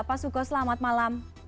pak suko selamat malam